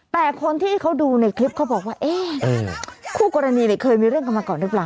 แต่คนที่เขาดูในคลิปเขาบอกว่าเอ๊ะคู่กรณีเคยมีเรื่องกันมาก่อนหรือเปล่า